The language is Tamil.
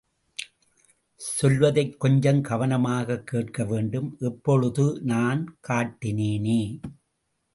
சொல்வதைக் கொஞ்சம் கவனமாகக் கேட்கவேண்டும் இப்பொழுது நான் காட்டினேனே!